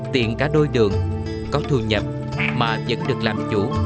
tiện cả đôi đường có thu nhập mà vẫn được làm chủ